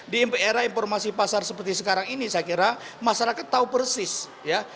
di era informasi pasar seperti sekarang ini saya kira masyarakat tahu persis ya